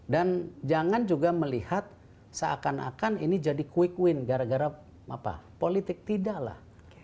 dan jangan juga melihat seakan akan ini jadi quick win gara gara politik tidaklah